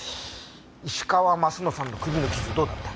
石川鱒乃さんの首の傷どうだった？